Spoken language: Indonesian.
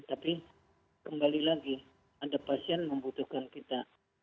tapi kembali lagi ada pasien membutuhkan kita